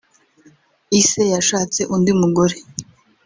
ise yashatse undi mugore